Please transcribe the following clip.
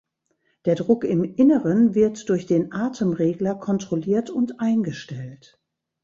Der Druck im Inneren wird durch den Atemregler kontrolliert und eingestellt.